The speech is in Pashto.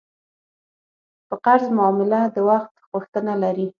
په قرض معامله د وخت غوښتنه لري.